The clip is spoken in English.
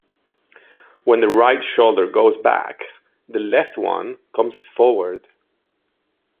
When the right shoulder goes back, the left one comes forward.